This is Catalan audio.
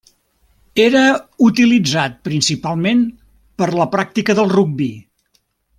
Era utilitzat principalment per la pràctica del rugbi.